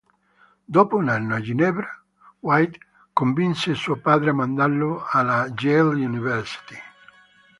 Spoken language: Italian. Dopo un anno a Ginevra, White convinse suo padre a mandarlo alla Yale University.